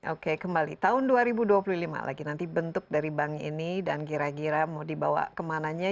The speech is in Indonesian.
oke kembali tahun dua ribu dua puluh lima lagi nanti bentuk dari bank ini dan kira kira mau dibawa kemananya